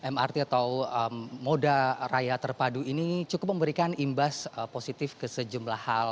mrt atau moda raya terpadu ini cukup memberikan imbas positif ke sejumlah hal